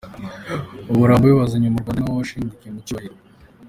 Umurambo we wazanywe mu Rwanda, ari na ho washyinguwe mu cyubahiro.